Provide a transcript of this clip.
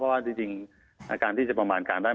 เพราะว่าจริงอาการที่จะประมาณการได้